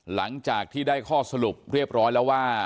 หลังจากที่ได้ข้อสรุปเรียบร้อยแล้วว่า